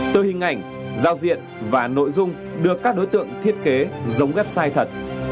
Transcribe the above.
từ hình ảnh giao diện và nội dung được các đối tượng thiết kế giống website thật